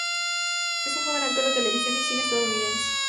Es un joven actor de televisión y cine estadounidense.